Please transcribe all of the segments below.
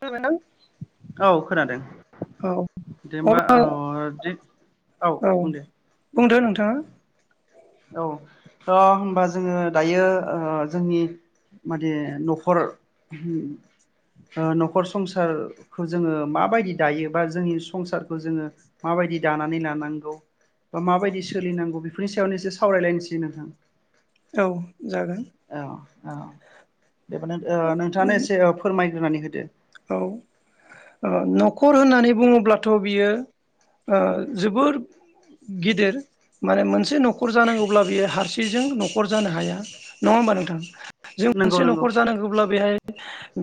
खोनाबाय ना। औ खोनादों। औ दे होमबा अब्ला औ दे औ बुं दे बुंदो नोंथाङा। औ होमबा जोङो दायो जोंनि माने न'खर ओ न'खर संसारखौ जोङो माबायदि दायो बा जोंनि संसारखौ जोङो माबायदि दानानै लानांगौ बा माबायदि सोलिनांगौ बेफोरनि सायावनो एसे सावरायलायनोसै नोंथां। औ जागोन। औ औ। नोंथाङानो एसे फोरमाय। होननानै होदो! औ ओ न'खर होननानै बुङोब्लाथ' बियो ओ जोबोर गिदिर माने मोनसे न'खर जानांगौब्ला बियो हारसिंजों न'खर जानो हाया नङा होमबा नोंथां। जों नंगौ मोनसे नंगौ न'खर जानांगौब्ला बेहाय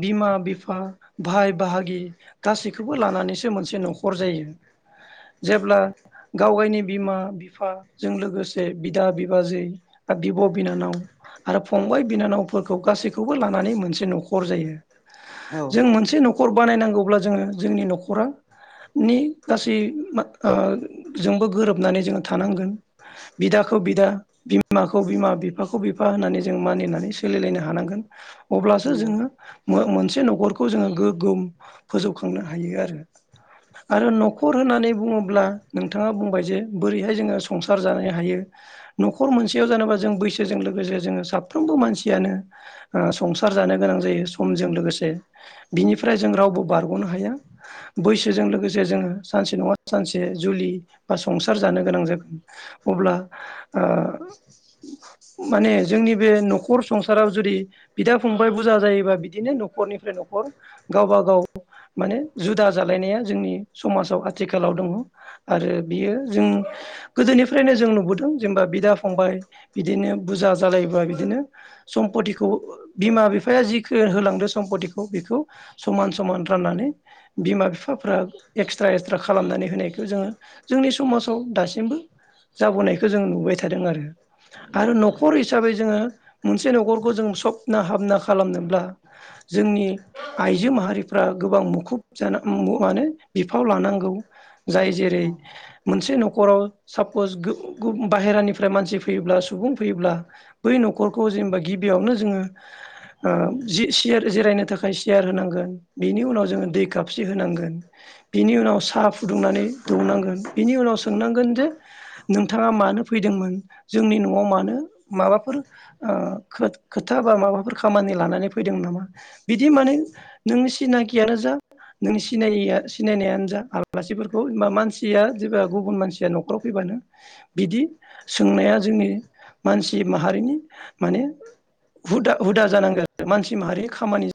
बिमा बिफा ओ। भाय बाहागि गासैखौबो लानानैसो मोनसे न' न'खर जायो जेब्ला गाव गावनि बिमा बिफाजों लोगोसे बिदा बिबाजै बिब' बिनानाव आरो फंबाय बिनानावफोरखौ गासैखौबो लानानै मोनसे न'खर जायो औ जों मोनसे न'खर न'खर बानायनांगौब्ला जोङो जोंनि न'खरा नि गासै ओ जोंबो गोरोबनानै जोङो थानांगोन बिदाखौ बिदा बिमाखौ बिमा बिफाखौ बिफा होननानै जों मानिनानै सोलिलायनो हानांगोन अब्लासो नंगौ जोङो मोनसे न'खरखौ खौ जोङो गोगोम फोजौखांनो हायो आरो आरो न'खर होननानै बुङोब्ला नोंथाङा बुंबाय जे बोरैहाय जोङो संसार जानो हायो न'खर मोनसेयाव जानोबा जों बैसोजों लोगोसे जोङो साफ्रोमबो मानसियानो संसार जानो गोनां जायो समजों लोगोसे बिनिफ्राय जों रावबो बारग'नो हाया बैसोजों लोगोसे जोङो सानसे नङा सानसे जुलि बा संसार जानो गोनां जागोन अब्ला ओ माने जोंनि बे न'खर संसाराव जुदि बिदा फंबाय बुरजा जायोबा बिदिनो न'खरनि न'खर गावबा गाव माने जुदा जालायनाया जोंनि समाजाव आथिखालाव दङ आरो बियो जों गोदोनिफ्रायनो जों नुबोदों जेनेबा बिदा फंबाय बिदिनो बुरजा जालायोबा बिदिनो सम्पतिखौ बिमा बिफाया जिखौ होलांदों सम्पतिखौ बेखौ समान समान राननानै बिमा बिफाफ्रा एक्सट्रा एक्सट्रा खालामनानै होनायखौ जोङो जोंनि समाजाव दासिमबो जाबोनायखौ जों नुबाय थादों आरो आरो न'खर हिसाबै जोङो मोनसे न'खरखौ जों सपना हाबना खालामनोब्ला जोंनि आइजो माहारिफ्रा गोबां मुखुब जानो माने बिफाव लानांगौ जाय जेरै औ मोनसे न'खराव सापस बाहेरानिफ्राय मानसि फैयोब्ला सुबुं फैयोब्ला बै न'खरखौ जेनेबा गिबियावनो जोङो ओ जि जिरायनो थाखाय सियार होनांगोन बिनि उनाव जोङो दै खाबसे होनांगोन बिनि उनाव साहा फुदुंनानै दौनांगोन बिनि उनाव सोंनांगोन जे नोंथाङा मानो फैदोंमोन जोंनि न'आव मानो माबाफोर ओ खोथा बा माबाफोर खामानि लानानै फैदों नामा बिदि माने नों सिनाखियानो जा नों सिनाय सिनायनायानो जा आलासिफोरखौ बा मानसिया जेब्ला गुबुन मानसिया न'खराव फैबानो बिदि सोंनाया जोंनि मानसि माहारिनि माने हुदा हुदा जानांगोन आरो मानसि माहारि खामानि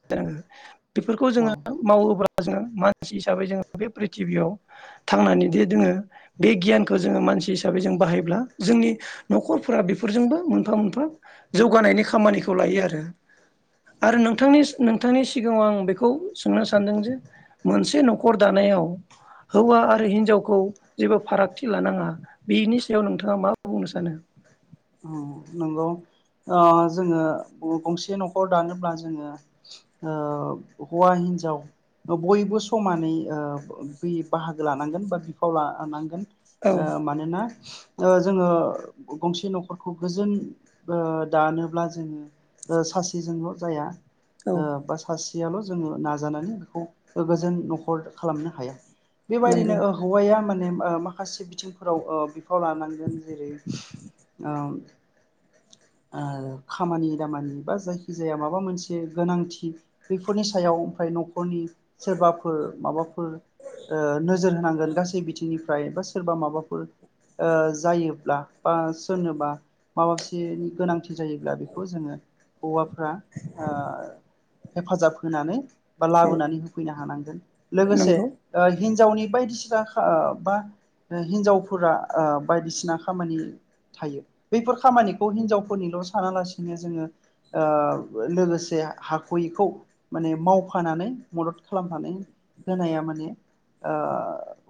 बेफोरखौ औ जोङो मावोब्ला जोङो मानसि हिसाबै जोङो बे प्रिथिबियाव थांनानैदि जोङो बे गियानखौ जोङो मानसि हिसाबै जों बाहायब्ला जोंनि न'खरफोरा बेफोरजोंबो मोनफा मोनफा जौगानायनि खामानिखौ लायो आरो आरो नों नोंथांनि नोंथांनि सिगाङाव आं बेखौ सोंनो सानदों जे मोनसे न'खर दानायाव हौवा आरो हिनजावखौ जेबो फारागथि लानाङा बेनि सायाव नोंथाङा मा बुंनो सानो नंगौ ओ जोङो गंसे न'खर दानोब्ला जोङो ओ हौवा हिन्जाव बयबो समानै बाहागो लानांगोन बा बिफाव लानांगोन ओ औ मानोना ओ जोङो गंसे न'ख खर गोजोन दानोब्ला जोङो सासेजोंल' जाया। औ ओ बा सासे याल' जोङो नाजानानै बेखौ गोजोन न'खर खालामनो हाया। बेबायदिनो नंगौ ओ हौवाया मान नेम ओ माखासे बिथिंफोराव ओ थ लानांगोन जेरै- ओम ओ खामानि दामानि बा जायखिजाया माबा मोनसे गोनांथि बैफोरनि सायाव ओमफ्राय न'खरनि सोरबाफोर माबाफोर ओ नोजोर होनांगोन गासै बिथिंनिफ्राय बा सोरबा माबाफोर ओ जायोब्ला बा सोरनोबा माबासेनि गोनांथि जायोब्ला बेखौ जोङो हौवाफ्रा ओ हेफाजाब होनानै बा औ लाबोनानै होफैनो हानांगोन लोगोसे नंगौ ओ हिनजावनि बायदिसि जाखा बा बे हिनजावफोरा ओ बायदिसिना खामानि थायो बैफोर खामानिखौ हिनजावफोरनिल' सानालासिनो जोङो ओ लोगोसे हाख'यिखौ माने मावफानानै मदद खालामनानै होनाया माने ओ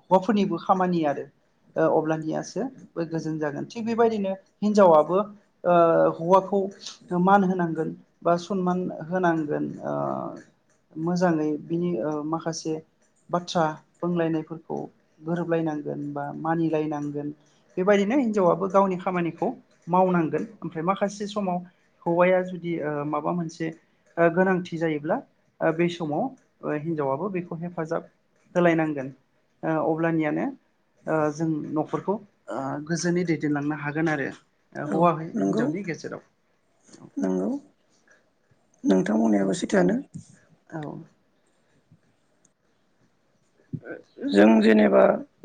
हौवाफोरनिबो खामानि आरो ओ अब्लानियासो बे गोजोन जागोन थिग बेबायदिनो हिनजावाबबो ओ हौवाखौ मान होनांगोन बा सनमान होनांगोन ओ मोजाङै बिनि ओ माखासे बाथ्रा बुंलायनायफोरखौ गोरोबलायनांगोन बा मानिलायनांगोन बेबायदिनो हिनजावाबो गावनि खामानिखौ मावनांगोन ओमफ्राय माखासे समाव हौवाया जुदि ओ माबा मोनसे ओ गोनांथि जायोब्ला ओ बे समाव हिनजावाबो बेखौ हेफाजाब होलायनांगोन ओ अब्लानियानो ओ जों न'खरखौ ओ गोजोनै दैद देनलांनो हागोन आरो। ओ औ हौवा नंगौ हिनजावनि गेजेराव थां बुंनायाबो सैथोआनो। औ जों जेनेबा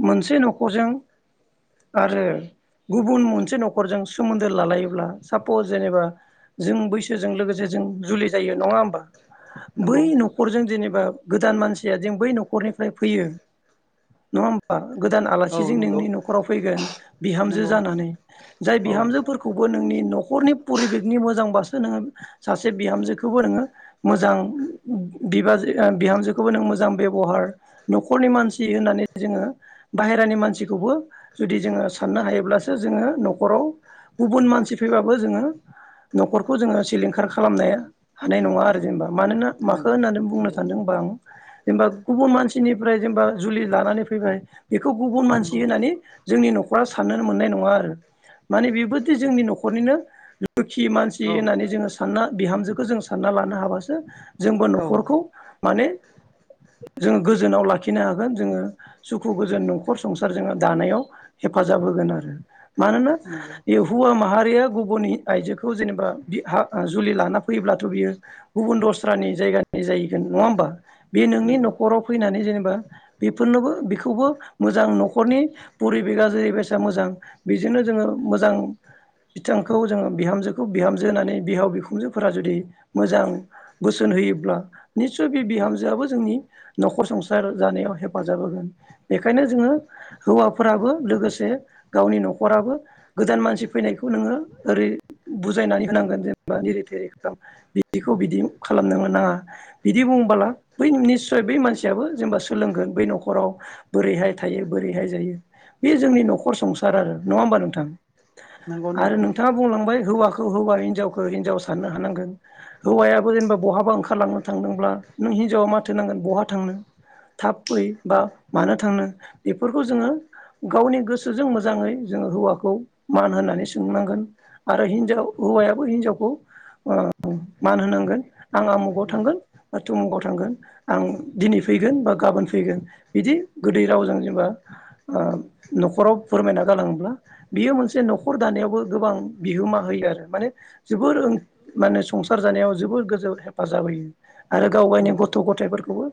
मोनसे न'खरजों आरो गुबुन मोनसे न'खरजों सोमोन्दो लालायोब्ला सापस जेनेबा जों बैसोजों लोगोसे जों जुलि जायो नङा होमबा? बै नंगौ न'खरजों जेनेबा गोदान मानसिया जेन बै नखरनि ओमफ्राय फैयो नङा होमबा? गोदान औ आलासिजों नंगौ नोंनि न'खराव फैगोन बिहामजो नंगौ जानानै जाय औ बिहामजोफोरखौबो नोंनि खरनि फरिबेकनि मोजां बासो नोङो सासे बिहामजोखौबो नोङो मोजां बिबाजै ओ बिहामजोखौबो नों मोजां बेब'हार न'खरनि मानसि होननानै जोङो बाहेरानि मानसिखौबो जुदि जोङो साननो हायोब्लासो जोङो न'खराव गुबुन मानसि फैबाबो जोङो न'खरखौ जोङो सिलिंखार खालामनाया हानाय नङा आरो जेनेबा। मानोना माखो होननानै बुंनो नंगौ सान्दोंबा आं जेनबा गुबुन मानसि निफ्राय जेनबा जुलि लानानै फैबाय बेखौ गुबुन मानसि नंगौ होनानै जोंनि न'ख बा साननोनो मोननाय नङा आरो माने बेबोदि जोंनि न'रनिनो दुखि मानसि औ होननानै जोङो सानना बिहामजोखो जों सानना लानो हाबासो जोंबो औ न'खरखौ माने जों गोजोनाव लाखिनो हागोन जोङो सुखु गोजोन न'खर संसार जोङो दानायाव हेफाजाब होगोन आरो मानोना नंगौ बे हुवा माहारिया गुबुननि आइजोखौ जेनेबा बिहा जुलि लाना फैयोब्लाथ' बियो गुबुन दस्रानि जायगानि जाहैगोन नङा होमबा? बे नोंनि नंगौ न'ख फैनानै जेनेबा बेफोरनोबो बेखौबो मोजां न'ख न'खरनि परिबेगा जेरैबायसा मोजां बेजोंनो जोङो मोजां बिथांखौ जोङो बिहामजोखौ बिहामजो होननानै बिहाव बिखुनजोफोरा जुदि मोजां बोसोन होयोब्ला निस्सय बे बिहामजोआबो जोंनि नख'र संसार जानायाव हेफाजाब होगोन बेखायनो जोङो हौवाफोराबो लोगोसे गावनि न'खराबो गोदान मानसि फैनायखौ नोङो ओरै बुजायनानै होनांगोन जेनेबा निरि थेरि खालाम बिदिखौ बिदि खालामनोनो नाङा बिदि बुंबोला बै निस सय बै मानसियाबो जेनेबा सोलोंगोन बै न'खराव बोरैहाय थायो बोरैहाय जायो बे जोंनि न'खर संसार आरो नङा होमबा नोंथां? नंगौ आरो नोंथाङा बुंलांबाय हौवा खौ हौवा हिनजावखो हिन्जाव साननो हानांगोन हौवायाबो जेनेबा बहाबा ओंखारलांनो थांदोंब्ला नों हिनजावा माथ थो होनांगोन बहा थांनो थाब फै बा मानो थांनो बेफोरखौ जोङो गावनि गोसोजों मोजाङै जोङो हौवाखौ मान होनानै सोंनांगोन आरो हिनजाव हौवायाबो हिनजावखौ ओ मान होनांगोन। आंहा आमुगाव नंगौ थांगोन थुमुगाव थांगोन। आं दिनै फैगोन बा गाबोन फैगोन बिदि गोदै रावजों जेनेबा ओ न'खराव फोरमायना गालाङोब्ला बियो मोनसे न'खर दानायावबो गोबां बिहोमा होयो आरो माने जोबोर माने संसार जानायाव जोबोर गोजौ हेफाजाब होयो। आरो गाव गायनि नंगौ गथ' गथायफोर खौबो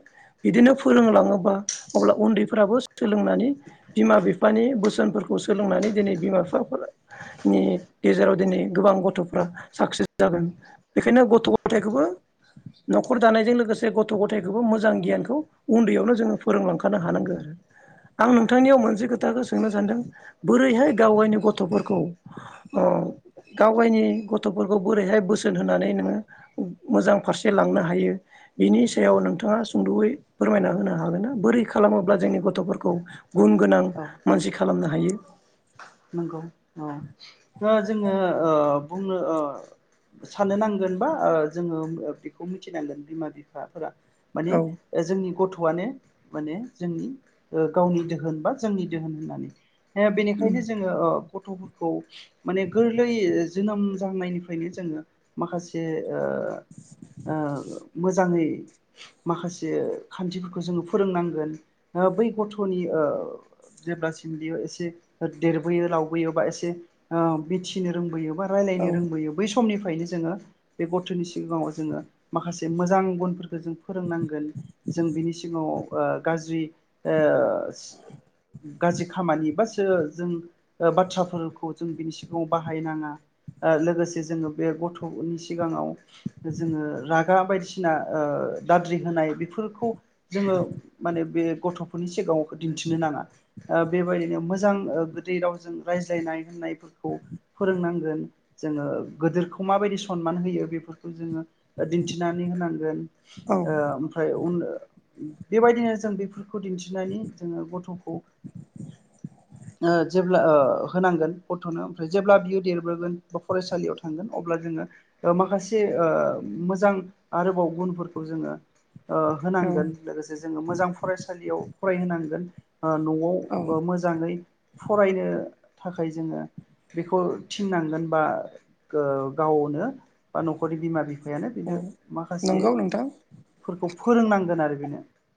बिदिनो फोरोंलाङोबा अब्ला उन्दैफोराबो सोलोंनानै बिमा बिफानि बोसोनफोरखौ सोलोंनानै दिनै बिमा बिफाफोरनि गेजेराव दिनै गोबां गथ'फ्रा साक्सेस जागोन बेखायनो गथ' गथायखौबो न'खर दानायजों लोगोसे गथ' गथाय खौबो मोजां गियानखौ उन्दैयावनो जोङो फोरोंलांखानो हानांगो। आं नोंथांनियाव मोनसे खोथाखौ सोंनो सानदों बोरैहाय गाव गायनि गथ'फोरखौ अ गाव गायनि गथ'फोरखौ बोरैहाय बोसोन होनानै नोङो मोजां फारसे लांनो हायो बिनि सायाव नों थाङा सुंद'यै फोरमायना होनो हागोन ना बोरै खालामोब्ला जोंनि गथ'फोरखौ गुन गोनां औ मानसि खालामनो हा हायो। नंगौ। औ ओ जोङो ओ बुंनो ओ साननो नांगोन बा ओ जोङो बेखौ मिथिनांगोन बिमा बिफाफोरा माने औ ओ जोंनि गथ' गथ'वानो माने जोंनि ओ गावनि दोहोन बा जोंनि दोहोन होननानै। ओ बेनिखायनो जो जोङो ओ गथ'फोरखौ माने गोरलै जोनोम जानायनिफ्रायनो जोङो माखासे ओ ओ मोजाङै माखासे खान्थिफोरखौ जोङो फोरोंनांगोन ओ बै गथ'नि ओ जेब्लासिम बेयो एसे ओ देरबोयो लावबोयो बा एसे ओ मिथिनो रोंबोयो। बा औ रायलायनो रोंबोयो बै स समनिफ्रायनो जोङो बे गथ'नि सिगाङाव जोङो माखासे मोजां गुनफोर बो जों फोरोंनांगोन जों बिनि सिगाङाव ओ गाज्रि ओ सि गाज्रि खामानि बा सो जों ओ बाथ्राफोरखौ जों बिनि सिगाङाव बाहायनाङा ओ लोगोसे जोङो बे गथ'नि सिगाङाव जोङो रागा बायदिसिना ओ दाद्रि होनाय बेफोरखौ जोङो माने बे गथ'फोरनि सिगाङाव दिन्थिनो नाङा ओ बेबायदिनो मोजां ओ गोदै रावजों रायज्लायनाय होननायफोरखौ फोरोंनांगोन जोङो गोदोरखौ माबायदि सनमान होयो बेफोरखौ जोङो दिन्थिनानै होनांगोन। औ ओ ओमफ्राय उन ओ बेबायदिनो जों बेफोरखौ दिन्थिनानै जोङो गथ'खौ ओ जेब्ला ओ होनांगोन गथ'नो ओमफ्राय जेब्ला बियो देरबोगोन बा फरायसालियाव थांगोन अब्ला जोङो ओ माखासे ओ मोजां आरोबाव गुनफोरखौ जोङो ओ औ होनांगोन लोगोसे जोङो मोजां फरायसालियाव फरायहोनांगोन। ओ न'आव औ ओ मोजाङै फरायनो थाखाय जोङो बेखौ थिननांगोन बा गो-गावनो बा न'खरनि बिमा बिफायानो औ बेनो नंगौ नोंथां माखासेफोरखौ फोरोंनांगोन आरो बेनो।